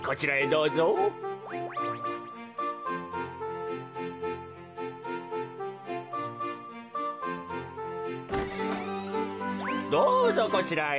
どうぞこちらへ。